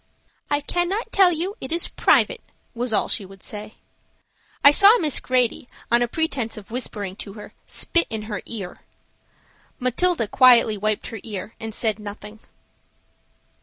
"I cannot tell you. It is private," was all she would say. I saw Miss Grady, on a pretense of whispering to her, spit in her ear. Matilda quietly wiped her ear and said nothing.